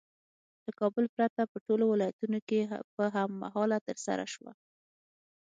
له کابل پرته په ټولو ولایتونو کې په هم مهاله ترسره شوه.